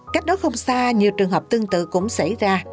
cách đó không xa nhiều trường hợp tương tự cũng xảy ra